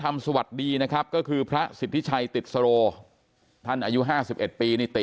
ทำสวัสดีนะครับก็คือพระสิทธิชัยติดสโรท่านอายุ๕๑ปีนิติ